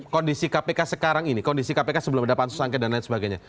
kondisi kpk sekarang ini kondisi kpk sebelum ada pansus angket dan lain sebagainya